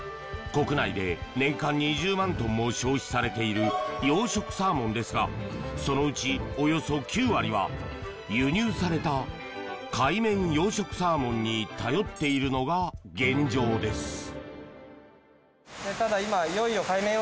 国内で年間２０万トンも消費されている養殖サーモンですがそのうち、およそ９割は輸入された海面養殖サーモンに頼っているのが現状です。